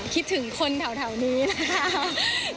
คิดถึงคนแถวนี้นะครับ